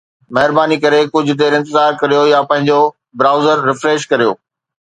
مھرباني ڪري ڪجھ دير انتظار ڪريو يا پنھنجو برائوزر ريفريش ڪريو